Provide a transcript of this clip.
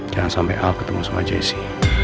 jangan sampai al ketemu sama jessi